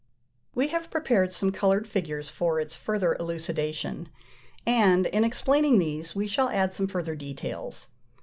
" We have prepared some coloured figures for its further elucidation, and in explaining these we shall add some further details.